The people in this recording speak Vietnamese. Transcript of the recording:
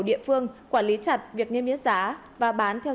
địa phương quản lý chặt việc niêm yết giá và bán theo